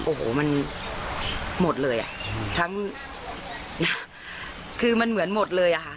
โอ้โหมันหมดเลยอ่ะทั้งคือมันเหมือนหมดเลยอะค่ะ